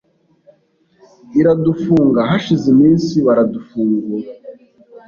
iradufunga hashize iminsi baradufungura